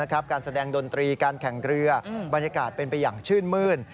การแสดงดนตรีการแข่งเรือบรรยากาศเป็นไปอย่างชื่นมื้น